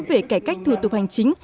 về cải cách thủ tục hành chính